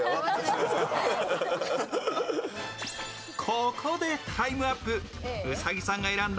ここでタイムアップ。